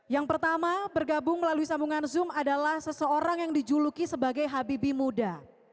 yang pertama bergabung melalui sambungan zoom adalah seseorang yang dijuluki sebagai habibi muda